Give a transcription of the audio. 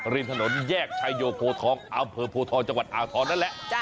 ริมถนนแยกชายโยโพทองอำเภอโพทองจังหวัดอ่างทองนั่นแหละ